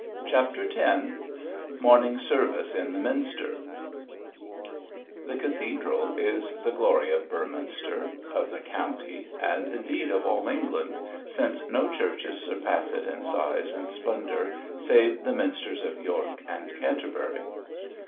CHAPTER X MORNING SERVICE IN THE MINSTER The cathedral is the glory of Beorminster, of the county, and, indeed, of all England, since no churches surpass it in size and splendour, save the minsters of York and Canterbury.